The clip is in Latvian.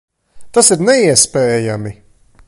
Tas ir neiespējami!